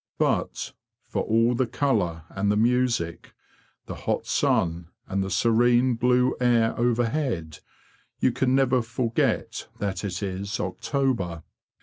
But, for all the colour and the music, the hot sun, and the serene blue air overhead, you can never forget that it is October.